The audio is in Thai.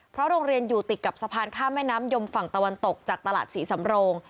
เพราะโรงเรียนอยู่ติดกับสะพานข้ามแม่น้ำยมฝั่งตะวันตกจากตลาดศรีสำโรง